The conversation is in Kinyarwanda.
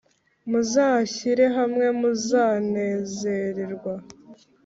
Muzashyire hamwe, muzanezererwa